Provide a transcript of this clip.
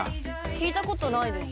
聞いたことないです。